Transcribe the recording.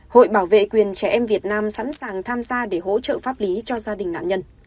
hội bảo vệ quyền trẻ em việt nam sẵn sàng tham gia để hỗ trợ pháp lý cho gia đình nạn nhân